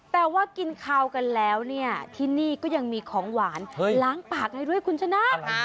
แต่ว่ากินข้าวกันแล้วเนี่ยที่นี่ก็ยังมีของหวานล้างปากเลยด้วยคุณชนะ